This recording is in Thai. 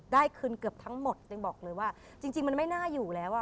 ได้คืนเกือบทั้งหมดจริงมันไม่น่าอยู่แล้วอ่ะ